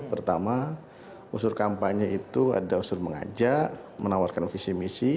pertama unsur kampanye itu ada unsur mengajak menawarkan visi misi